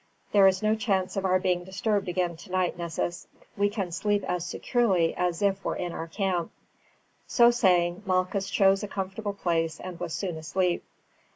"There is no chance of our being disturbed again tonight, Nessus. We can sleep as securely as if were in our camp." So saying, Malchus chose a comfortable place, and was soon asleep.